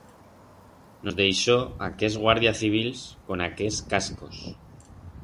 Nos deixó aquers guardia civils con aquers cascos.